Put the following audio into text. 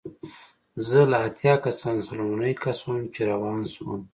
زه له اتیا کسانو څخه لومړنی کس وم چې روان شوم.